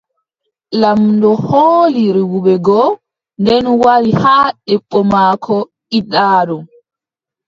Laamɗo hooli rewɓe go, nden wari haa debbo maako giɗaaɗo.